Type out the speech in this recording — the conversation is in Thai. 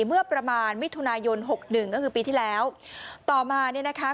เมื่อประมาณมิถุนายนหกหนึ่งก็คือปีที่แล้วต่อมาเนี่ยนะคะ